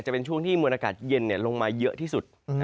จะเป็นช่วงที่มวลอากาศเย็นลงมาเยอะที่สุด